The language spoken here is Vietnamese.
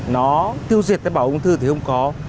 nó tiêu diệt tế bào ung thư thì không có